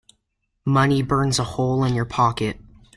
Money burns a hole in your pocket.